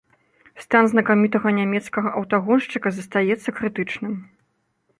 Стан знакамітага нямецкага аўтагоншчыка застаецца крытычным.